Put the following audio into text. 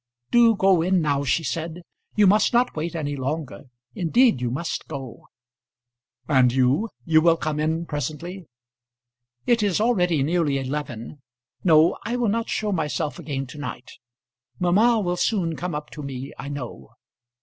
"Do go in now," she said. "You must not wait any longer; indeed you must go." "And you ; you will come in presently." "It is already nearly eleven. No, I will not show myself again to night. Mamma will soon come up to me, I know.